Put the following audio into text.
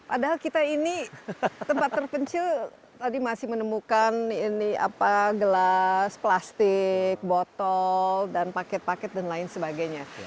padahal kita ini tempat terpencil tadi masih menemukan gelas plastik botol dan paket paket dan lain sebagainya